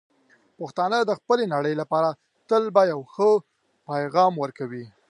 پښتانه د خپلې نړۍ لپاره تل به یو ښه پېغام ورکوي.